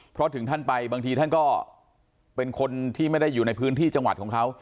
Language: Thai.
เพราะถึงท่านไปบางทีท่านก็เป็นคนที่ไม่ได้อยู่ในพื้นที่จังหวัดของเขา